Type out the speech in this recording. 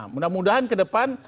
mudah mudahan ke depan